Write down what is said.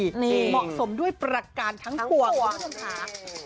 เหมาะสมด้วยประการทั้งปวงคุณผู้ชมค่ะ